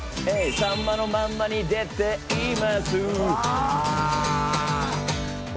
「さんまのまんま」に出ていますわあっ。